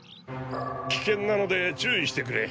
危険なので注意してくれ。